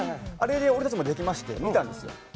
あれで俺たちもできまして見たんですよ。